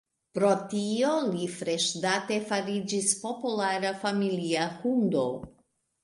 Pro tio, li freŝdate fariĝis populara familia hundo.